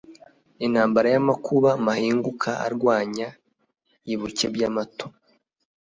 Intambara y'amakuba Mahinguka arwanya i Bukebyamato,